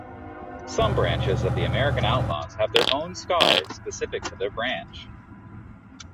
Some branches of the American Outlaws have their own scarves specific to their branch.